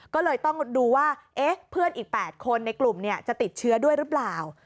ก็เลยต้องดูว่าเพื่อนอีก๘คนในกลุ่มจะติดเชื้อด้วยหรือเปล่า